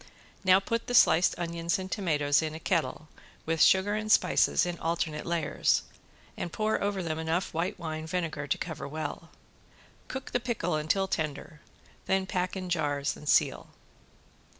Now put the sliced onions and tomatoes in a kettle with sugar and spices in alternate layers, and pour over them enough white wine vinegar to cover well. Cook the pickle until tender, then pack in jars and seal.